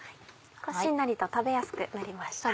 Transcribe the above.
しんなりと食べやすくなりました。